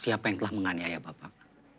siapa yang telah mengani ayah bapak